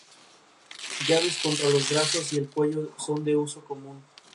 Tiene una nave con capillas laterales y cabecera cuadrada.